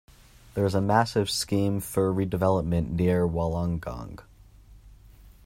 There is a massive scheme for redevelopment near Wollongong.